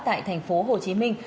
tại thành phố hồ chí minh